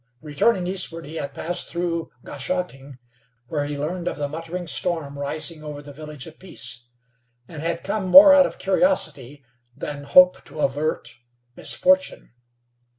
Returning eastward he had passed through Goshocking, where he learned of the muttering storm rising over the Village of Peace, and had come more out of curiosity than hope to avert misfortune.